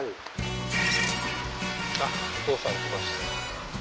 あっお父さん来ました